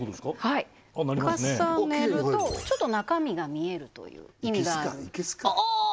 はい重ねるとちょっと中身が見えるという意味があるおおお！